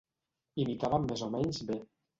Imitaven més o menys bé.